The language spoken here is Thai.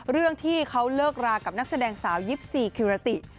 เรื่องที่เขาเลิกรากับนักแสดงสาว๒๔คิรติ